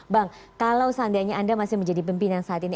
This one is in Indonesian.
bang kalau seandainya anda masih menjadi pimpinan saat ini